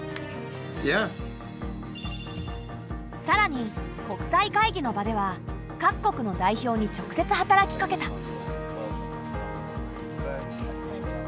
さらに国際会議の場では各国の代表に直接働きかけた。